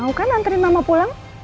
mau kan anterin mama pulang